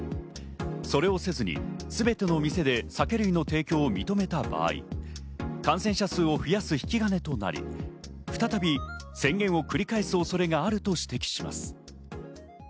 それをせずに、すべての店で酒類の提供を認めた場合、感染者数を増やす引き金となり、再び宣言を繰り返す恐れがあると指摘します。